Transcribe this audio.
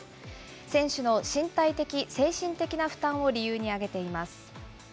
選手の身体的・精神的な負担を理由に挙げています。